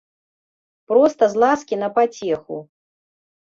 Проста з ласкі на пацеху.